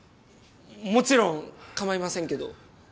もちろん構いませんけど。